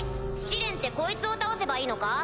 試練ってこいつを倒せばいいのか？